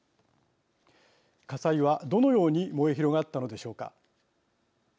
火災は、どのように燃え広がったのでしょうか。